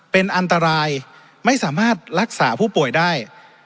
เป็นอันตรายไม่สามารถรักษาผู้ป่วยได้